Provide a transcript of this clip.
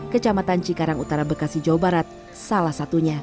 kecamatan cikarang utara bekasi jawa barat salah satunya